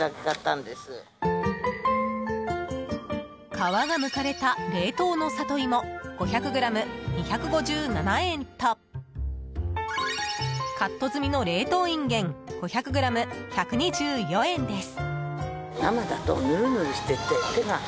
皮がむかれた冷凍のサトイモ５００ｇ２５７円とカット済みの冷凍インゲン５００ｇ１２４円です。